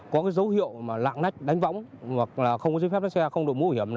có dấu hiệu lạng lách đánh võng không có giấy phép lái xe không đổi mũi hiểm